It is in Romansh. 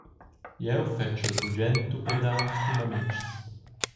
Jeu fetschel bugen tuppadads cun amitgs.